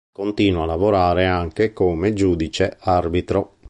Continua a lavorare anche come giudice arbitro.